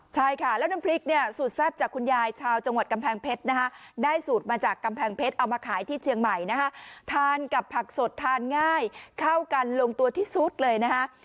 ใช่ค่ะแล้วน้ำพริกเนี่ยสูตรแซ่บจากคุณยาย